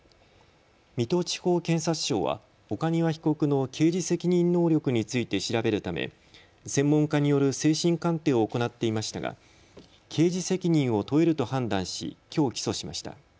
水戸地方検察庁は岡庭被告の刑事責任能力について調べるため専門家による精神鑑定を行っていましたが刑事責任を問えると判断し、きょう起訴しました。